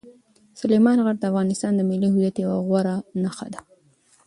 سلیمان غر د افغانستان د ملي هویت یوه غوره نښه ده.